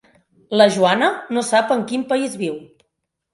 La Joana no sap en quin país viu.